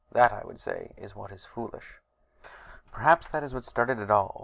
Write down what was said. That, I would say, is what is foolish. Perhaps that is what started it all.